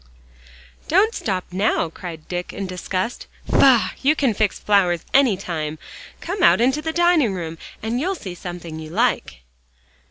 "Don't stop now," cried Dick in disgust. "Faugh! you can fix flowers any time. Come out into the dining room and you'll see something you'll like."